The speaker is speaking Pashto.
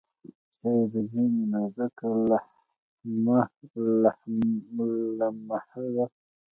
چای د ژمي نازکه لمحه ده.